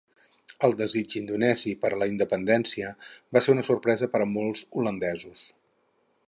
El desig indonesi per a la independència va ser una sorpresa per a molts holandesos.